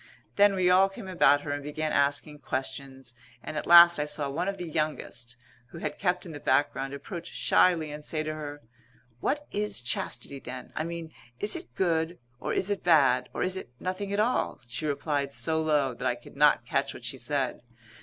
Then we all came about her and began asking questions, and at last I saw one of the youngest, who had kept in the background, approach shyly and say to her: "What is chastity then? I mean is it good, or is it bad, or is it nothing at all?" She replied so low that I could not catch what she said.